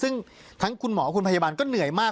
ซึ่งทั้งคุณหมอคุณพยาบาลก็เหนื่อยมาก